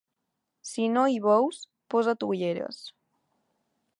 Si no hi veus, posa't ulleres.